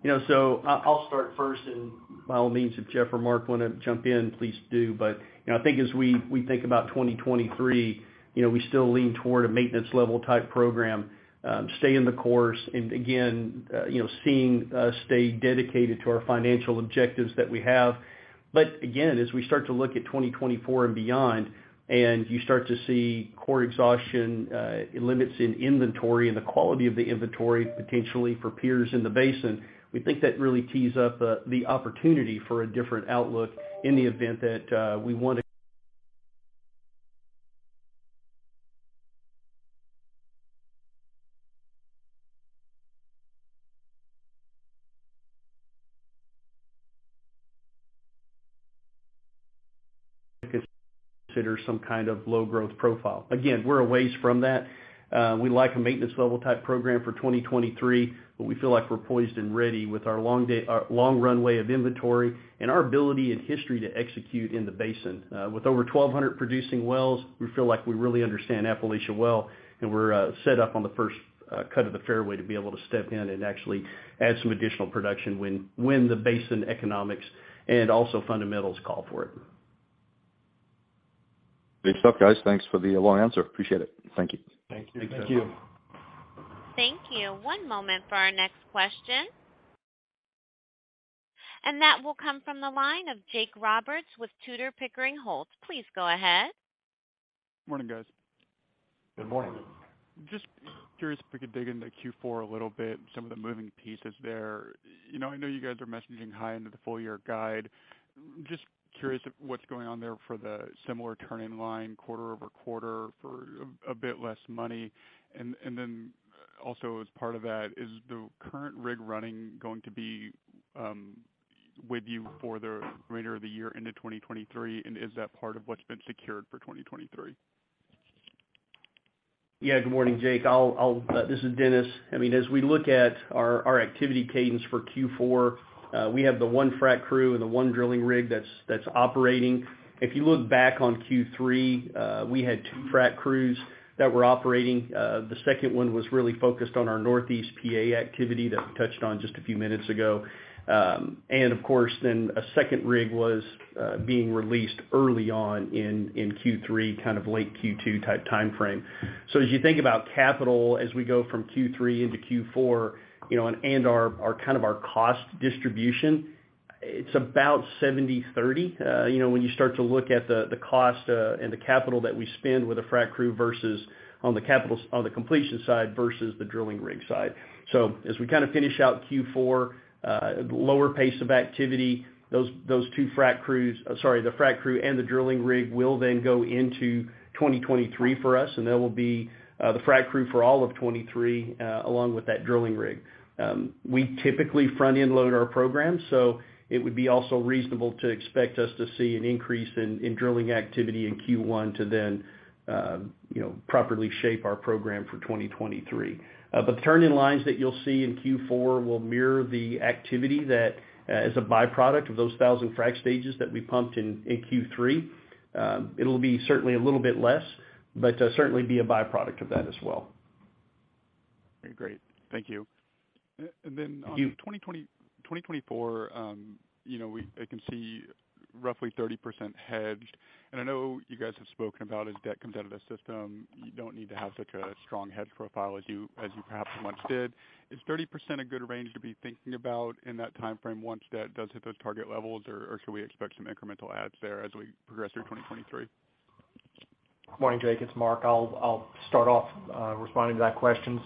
D: You know, so I'll start first, and by all means, if Jeff or Mark wanna jump in, please do. You know, I think as we think about 2023, you know, we still lean toward a maintenance level type program, stay the course, and again, you know, seeing us stay dedicated to our financial objectives that we have. Again, as we start to look at 2024 and beyond, and you start to see core exhaustion, limits in inventory and the quality of the inventory potentially for peers in the basin, we think that really tees up the opportunity for a different outlook in the event that, we want to consider some kind of low growth profile. Again, we're a ways from that. We like a maintenance level type program for 2023, but we feel like we're poised and ready with our long runway of inventory and our ability and history to execute in the basin. With over 1,200 producing wells, we feel like we really understand Appalachia well, and we're set up on the first cut of the fairway to be able to step in and actually add some additional production when the basin economics and also fundamentals call for it.
G: Great stuff, guys. Thanks for the long answer. Appreciate it. Thank you.
E: Thank you.
D: Thank you.
A: Thank you. One moment for our next question. That will come from the line of Jake Roberts with Tudor, Pickering, Holt & Co. Please go ahead.
H: Morning, guys.
D: Good morning.
H: Just curious if we could dig into Q4 a little bit, some of the moving pieces there. You know, I know you guys are messaging high into the full year guide. Just curious what's going on there for the similar turn-in-line quarter-over-quarter for a bit less money. And then also as part of that, is the current rig running going to be with you for the remainder of the year into 2023? Is that part of what's been secured for 2023?
D: Yeah. Good morning, Jake. This is Dennis. I mean, as we look at our activity cadence for Q4, we have the 1 frac crew and the 1 drilling rig that's operating. If you look back on Q3, we had 2 frac crews that were operating. The second one was really focused on our Northeast PA activity that we touched on just a few minutes ago. Of course, then a second rig was being released early on in Q3, kind of late Q2 type timeframe. As you think about capital as we go from Q3 into Q4, you know, and our kind of our cost distribution It's about 70/30, when you start to look at the cost and the capital that we spend with a frac crew versus on the completion side versus the drilling rig side. As we kind of finish out Q4, lower pace of activity, the frac crew and the drilling rig will then go into 2023 for us, and that will be the frac crew for all of 2023, along with that drilling rig. We typically front-end load our program, so it would be also reasonable to expect us to see an increase in drilling activity in Q1 to then properly shape our program for 2023. The turn-in lines that you'll see in Q4 will mirror the activity that, as a by-product of those 1,000 frac stages that we pumped in Q3. It'll be certainly a little bit less, but certainly be a by-product of that as well.
H: Great. Thank you.
D: Thank you.
H: 2020, 2024, you know, I can see roughly 30% hedged, and I know you guys have spoken about as debt comes out of the system, you don't need to have such a strong hedge profile as you perhaps once did. Is 30% a good range to be thinking about in that timeframe once debt does hit those target levels, or should we expect some incremental adds there as we progress through 2023?
E: Good morning, Jake. It's Mark. I'll start off responding to that question.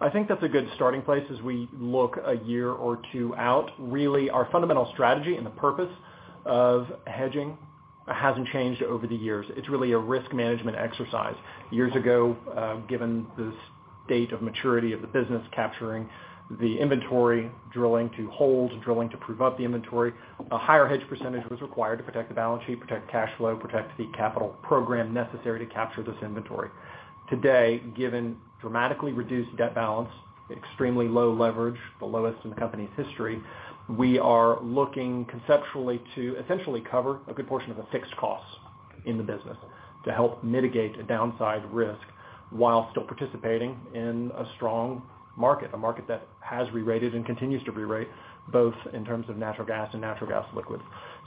E: I think that's a good starting place as we look a year or two out. Really, our fundamental strategy and the purpose of hedging hasn't changed over the years. It's really a risk management exercise. Years ago, given the state of maturity of the business, capturing the inventory, drilling two holes, drilling to prove up the inventory, a higher hedge percentage was required to protect the balance sheet, protect cash flow, protect the capital program necessary to capture this inventory. Today, given dramatically reduced debt balance, extremely low leverage, the lowest in the company's history, we are looking conceptually to essentially cover a good portion of the fixed costs in the business to help mitigate a downside risk while still participating in a strong market, a market that has rerated and continues to rerate, both in terms of natural gas and natural gas liquids.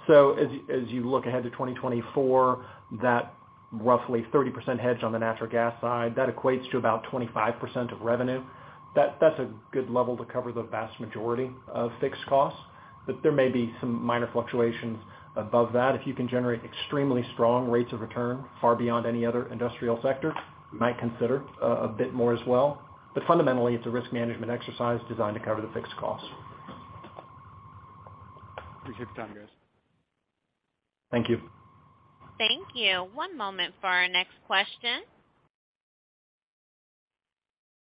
E: As you look ahead to 2024, that roughly 30% hedge on the natural gas side, that equates to about 25% of revenue. That's a good level to cover the vast majority of fixed costs. There may be some minor fluctuations above that. If you can generate extremely strong rates of return, far beyond any other industrial sector, might consider a bit more as well. Fundamentally, it's a risk management exercise designed to cover the fixed costs.
H: Appreciate your time, guys. Thank you.
A: Thank you. One moment for our next question.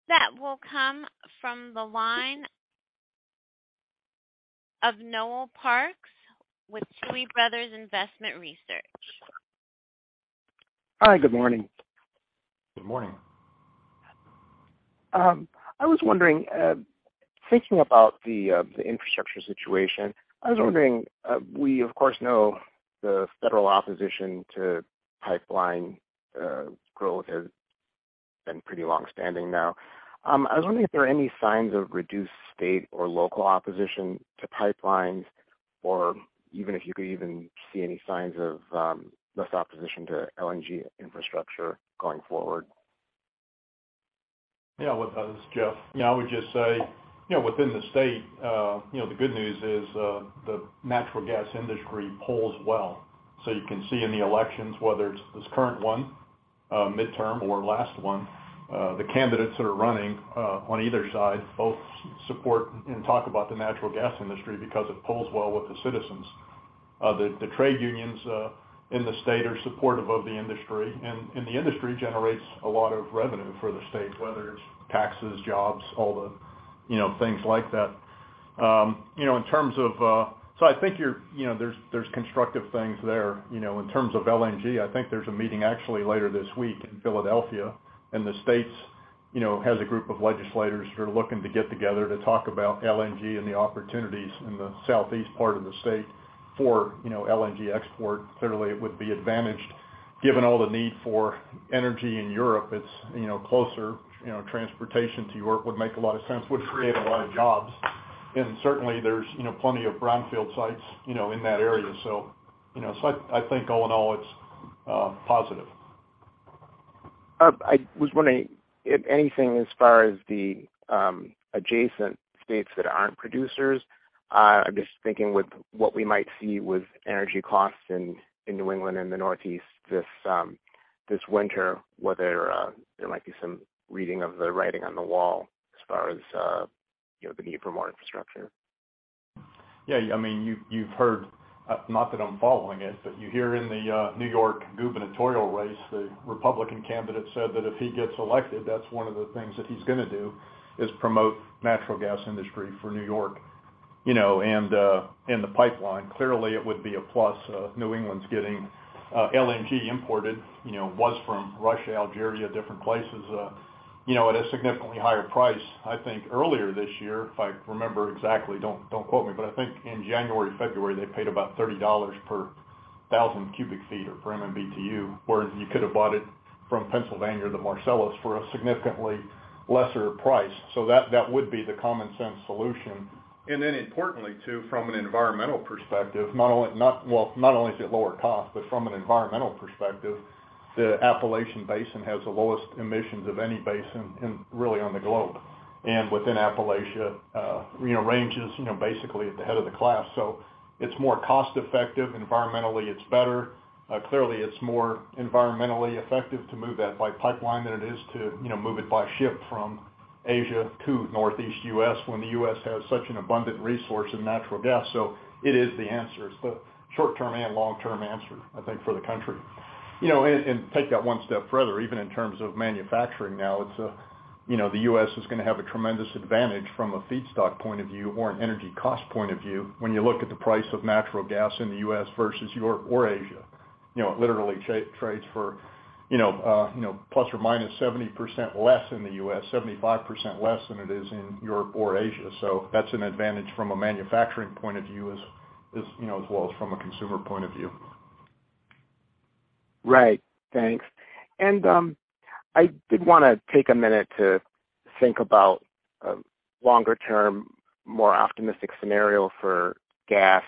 A: That will come from the line of Noel Parks with Tuohy Brothers Investment Research.
I: Hi. Good morning.
C: Good morning.
I: I was wondering, thinking about the infrastructure situation. We of course know the federal opposition to pipeline growth has been pretty long-standing now. I was wondering if there are any signs of reduced state or local opposition to pipelines or even if you could even see any signs of less opposition to LNG infrastructure going forward.
C: Yeah. Well, this is Jeff. Yeah, I would just say, you know, within the state, you know, the good news is, the natural gas industry polls well. You can see in the elections, whether it's this current one, midterm or last one, the candidates that are running, on either side both support and talk about the natural gas industry because it polls well with the citizens. The trade unions in the state are supportive of the industry, and the industry generates a lot of revenue for the state, whether it's taxes, jobs, all the you know things like that. You know, in terms of, I think you're, you know, there's constructive things there. You know, in terms of LNG, I think there's a meeting actually later this week in Philadelphia, and the state, you know, has a group of legislators who are looking to get together to talk about LNG and the opportunities in the southeast part of the state for, you know, LNG export. Clearly, it would be advantaged given all the need for energy in Europe. It's, you know, closer, you know, transportation to Europe would make a lot of sense, would create a lot of jobs. Certainly, there's, you know, plenty of brownfield sites, you know, in that area. You know, I think all in all it's positive.
I: I was wondering if anything as far as the adjacent states that aren't producers. I'm just thinking with what we might see with energy costs in New England and the Northeast this winter, whether there might be some reading of the writing on the wall as far as you know, the need for more infrastructure.
C: Yeah. I mean, you've heard, not that I'm following it, but you hear in the New York gubernatorial race, the Republican candidate said that if he gets elected, that's one of the things that he's gonna do, is promote natural gas industry for New York, you know, and the pipeline. Clearly, it would be a plus. New England's getting LNG imported, you know, was from Russia, Algeria, different places, you know, at a significantly higher price. I think earlier this year, if I remember exactly, don't quote me, but I think in January, February, they paid about $30 per thousand cubic feet or per MMBtu, whereas you could have bought it from Pennsylvania, the Marcellus, for a significantly lesser price. That would be the common sense solution. Importantly too, from an environmental perspective, not only is it lower cost, but from an environmental perspective, the Appalachian Basin has the lowest emissions of any basin in, really, on the globe. Within Appalachia, you know, Range is, you know, basically the head of the class. It's more cost effective, environmentally it's better. Clearly, it's more environmentally effective to move that by pipeline than it is to, you know, move it by ship from Asia to Northeast U.S. when the U.S. has such an abundant resource in natural gas. It is the answer. It's the short-term and long-term answer, I think, for the country. You know, take that one step further, even in terms of manufacturing now, it's, you know, the U.S. is gonna have a tremendous advantage from a feedstock point of view or an energy cost point of view when you look at the price of natural gas in the U.S. versus Europe or Asia. You know, it literally trades for, you know, you know, ±70% less in the U.S., 75% less than it is in Europe or Asia. That's an advantage from a manufacturing point of view, as, you know, as well as from a consumer point of view.
I: Right. Thanks. I did wanna take a minute to think about a longer-term, more optimistic scenario for gas.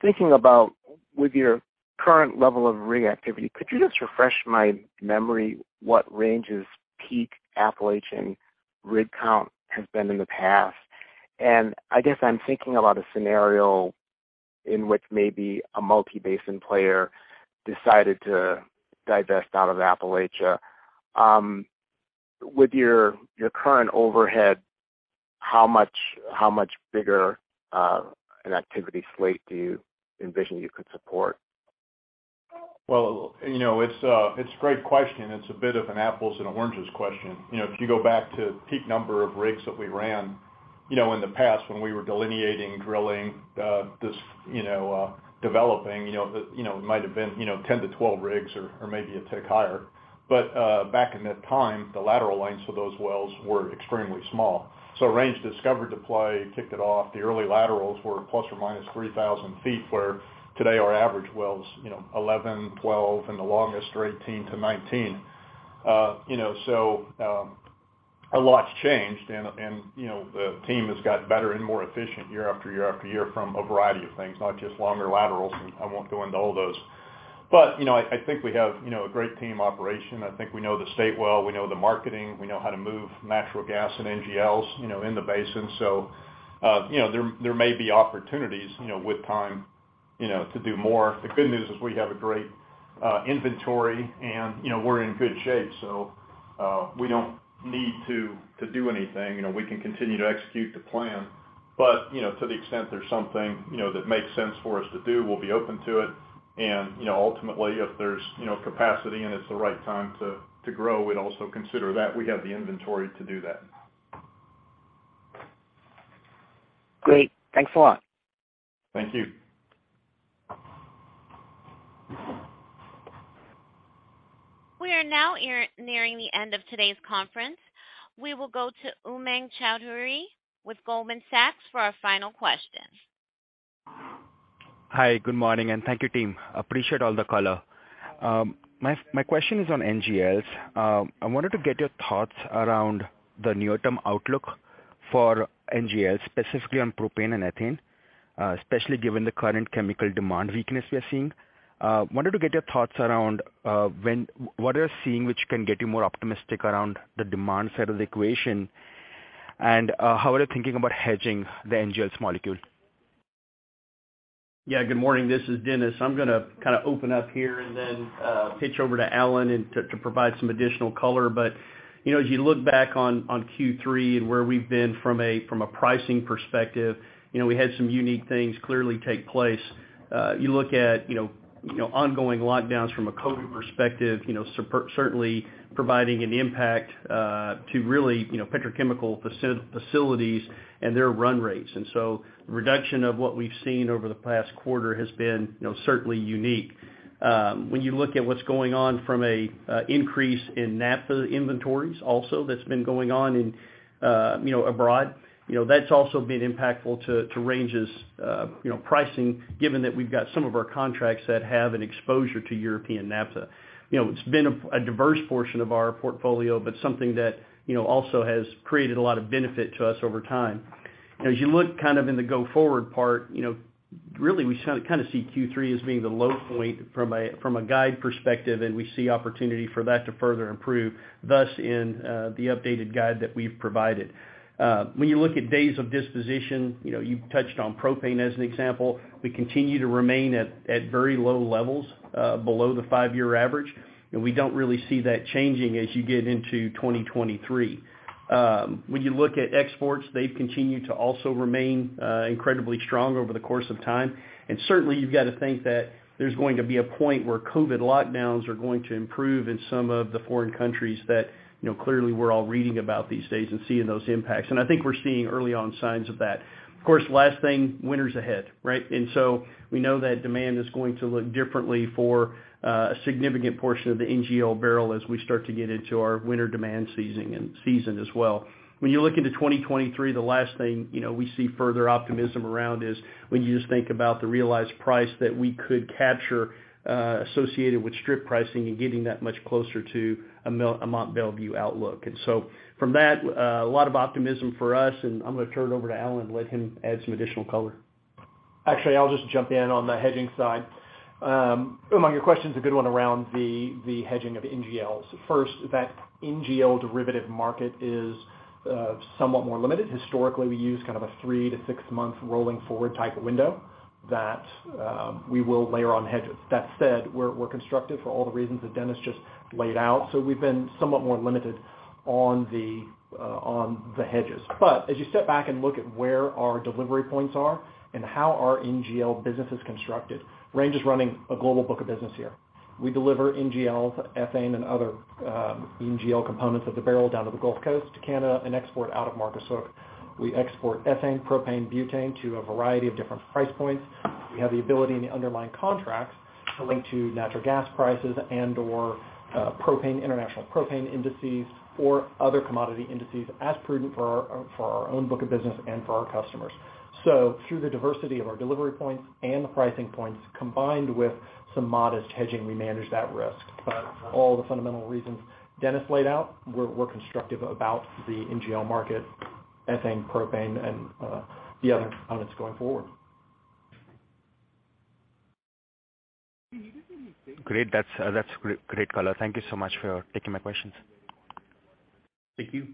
I: Thinking about with your current level of reactivity, could you just refresh my memory what Range's peak Appalachian rig count has been in the past? I guess I'm thinking about a scenario in which maybe a multi-basin player decided to divest out of Appalachia. With your current overhead, how much bigger an activity slate do you envision you could support?
C: Well, you know, it's a great question. It's a bit of an apples and oranges question. You know, if you go back to peak number of rigs that we ran, you know, in the past when we were delineating, drilling, developing, you know, it might have been, you know, 10-12 rigs or maybe a tick higher. Back in that time, the lateral lengths of those wells were extremely small. Range discovered the play, kicked it off. The early laterals were ±3,000 feet, where today our average well's, you know, 11, 12, and the longest are 18-19. You know, a lot's changed and you know, the team has got better and more efficient year after year after year from a variety of things, not just longer laterals, and I won't go into all those. You know, I think we have a great team operation. I think we know the state well, we know the marketing, we know how to move natural gas and NGLs, you know, in the basin. You know, there may be opportunities, you know, with time, you know, to do more. The good news is we have a great inventory and you know, we're in good shape, so we don't need to do anything. You know, we can continue to execute the plan. You know, to the extent there's something, you know, that makes sense for us to do, we'll be open to it. You know, ultimately, if there's, you know, capacity and it's the right time to grow, we'd also consider that. We have the inventory to do that.
I: Great. Thanks a lot.
C: Thank you.
A: We are now nearing the end of today's conference. We will go to Umang Choudhary with Goldman Sachs for our final question.
J: Hi, good morning, and thank you team. Appreciate all the color. My question is on NGLs. I wanted to get your thoughts around the near-term outlook for NGLs, specifically on propane and ethane, especially given the current chemical demand weakness we are seeing. Wanted to get your thoughts around, what are you seeing which can get you more optimistic around the demand side of the equation? How are you thinking about hedging the NGLs molecule?
D: Yeah. Good morning. This is Dennis. I'm gonna kinda open up here and then pitch over to Alan and to provide some additional color. You know, as you look back on Q3 and where we've been from a pricing perspective, you know, we had some unique things clearly take place. You look at, you know, ongoing lockdowns from a COVID perspective, you know, certainly providing an impact to really, you know, petrochemical facilities and their run rates. The reduction of what we've seen over the past quarter has been, you know, certainly unique. When you look at what's going on from a increase in naphtha inventories also that's been going on in, you know, abroad, you know, that's also been impactful to Range's, you know, pricing, given that we've got some of our contracts that have an exposure to European naphtha. You know, it's been a diverse portion of our portfolio, but something that, you know, also has created a lot of benefit to us over time. As you look kind of in the go-forward part, you know, really we kinda see Q3 as being the low point from a guide perspective, and we see opportunity for that to further improve, thus in the updated guide that we've provided. When you look at days of disposition, you know, you've touched on propane as an example, we continue to remain at very low levels below the five-year average, and we don't really see that changing as you get into 2023. When you look at exports, they've continued to also remain incredibly strong over the course of time. Certainly, you've got to think that there's going to be a point where COVID lockdowns are going to improve in some of the foreign countries that, you know, clearly we're all reading about these days and seeing those impacts. I think we're seeing early on signs of that. Of course, last thing, winter's ahead, right? We know that demand is going to look differently for a significant portion of the NGL barrel as we start to get into our winter demand season as well. When you look into 2023, the last thing, you know, we see further optimism around is when you just think about the realized price that we could capture associated with strip pricing and getting that much closer to a Mont Belvieu outlook. From that, a lot of optimism for us, and I'm gonna turn it over to Alan and let him add some additional color.
E: Actually, I'll just jump in on the hedging side. Umang, your question's a good one around the hedging of NGLs. First, that NGL derivative market is somewhat more limited. Historically, we use kind of a three-six -month rolling forward type of window that we will layer on hedges. That said, we're constructive for all the reasons that Dennis just laid out. We've been somewhat more limited on the hedges. As you step back and look at where our delivery points are and how our NGL business is constructed, Range is running a global book of business here. We deliver NGLs, ethane, and other NGL components of the barrel down to the Gulf Coast, to Canada, and export out of Marcus Hook. We export ethane, propane, butane to a variety of different price points. We have the ability in the underlying contracts to link to natural gas prices and/or propane, international propane indices or other commodity indices as prudent for our own book of business and for our customers. Through the diversity of our delivery points and the pricing points combined with some modest hedging, we manage that risk. For all the fundamental reasons Dennis laid out, we're constructive about the NGL market, ethane, propane, and the other components going forward.
J: Great. That's great color. Thank you so much for taking my questions.
E: Thank you.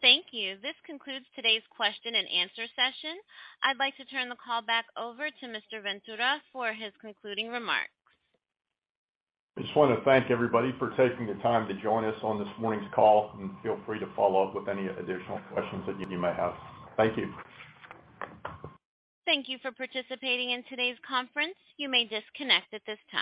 A: Thank you. This concludes today's question and answer session. I'd like to turn the call back over to Mr. Ventura for his concluding remarks.
C: I just wanna thank everybody for taking the time to join us on this morning's call, and feel free to follow up with any additional questions that you may have. Thank you.
A: Thank you for participating in today's conference. You may disconnect at this time.